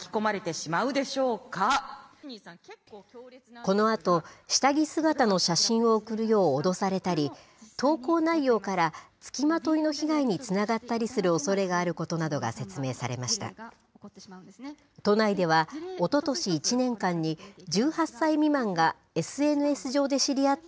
このあと、下着姿の写真を送るよう脅されたり、投稿内容から付きまといの被害につながったりするおそれがあることなどが説明されました。